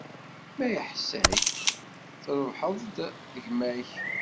Ma iḥess-ak-d, trebḥeḍ-d gma-k.